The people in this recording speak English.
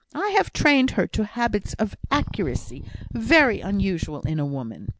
I have trained her to habits of accuracy very unusual in a woman."